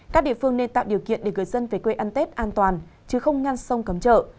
các địa phương nên tạo điều kiện để người dân về quê ăn tết an toàn chứ không ngăn sông cấm chợ